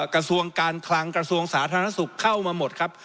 กระทรวงการคลังกระทรวงสาธารณสุขเข้ามาหมดครับ